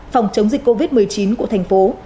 phòng chống dịch covid một mươi chín của thành phố